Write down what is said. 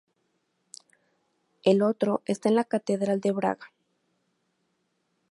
El otro está en la Catedral de Braga.